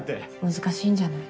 難しいんじゃない？